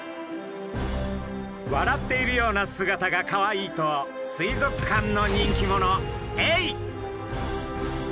笑っているような姿がかわいいと水族館の人気者エイ。